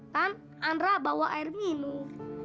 tan andra bawa air minum